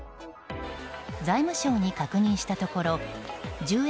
財務省に確認したところ１０円